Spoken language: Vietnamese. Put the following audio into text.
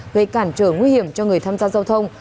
gây cản trở nguy hiểm cho người tham gia giao thông